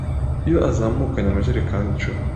iyo azamukanye amajerekani icumi